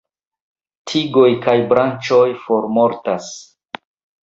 Tigoj kaj branĉoj formortas.